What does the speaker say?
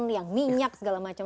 yang minyak segala macam